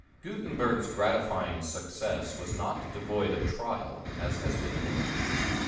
Gutenberg's gratifying success was not devoid of trial, as has been hinted.